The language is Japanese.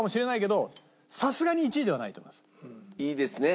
いいですね？